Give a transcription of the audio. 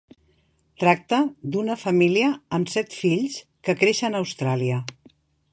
Tracta d'una família amb set fills que creixen a Austràlia.